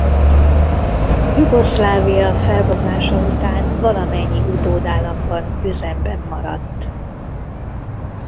Jugoszlávia felbomlása után valamennyi utódállamban üzemben maradt.